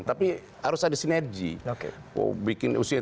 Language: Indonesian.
tapi harus ada sinergi